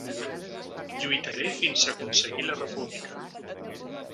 Lluitaré fins aconseguir la república.